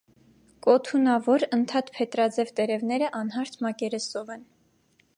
Կոթունավոր, ընդհատ փետրաձև տերևները անհարթ մակերեսով են։